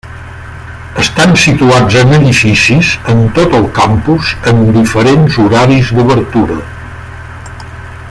Estan situats en edificis en tot el campus amb diferents horaris d'obertura.